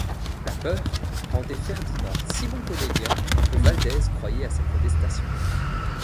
La peur rendait Ferdinand si bon comédien que Valdez croyait à ses protestations.